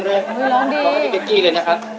ร้องจริงเลยนะครับ